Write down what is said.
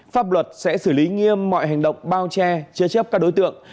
pháp luật sẽ xử lý nghiêm mọi hành động bao che chế chấp các đối tượng